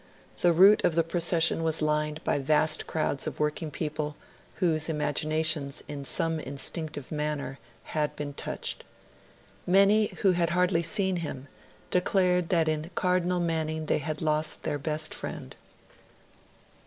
The route of the procession was lined by vast crowds of working people, whose imaginations, in some instinctive manner, had been touched. Many who had hardly seen him declared that in Cardinal Manning they had lost their best friend.